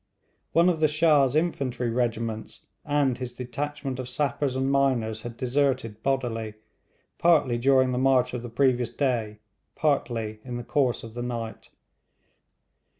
One of the Shah's infantry regiments and his detachment of sappers and miners had deserted bodily, partly during the march of the previous day, partly in the course of the night.